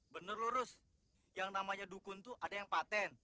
bener lu rus yang namanya dukun itu ada yang patent